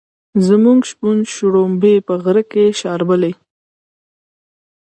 زموږ شپون شړومبی په غړکه کې شاربي.